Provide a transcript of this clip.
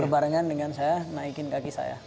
berbarengan dengan saya naikin kaki saya